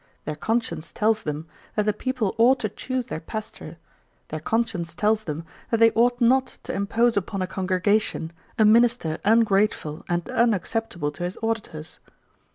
Their conscience tells them, that the people ought to choose their pastor; their conscience tells them that they ought not to impose upon a congregation a minister ungrateful and unacceptable to his auditors.